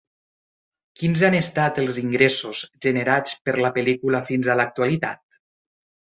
Quins han estat els ingressos generats per la pel·lícula fins a l'actualitat?